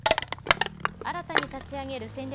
新たに立ち上げる戦略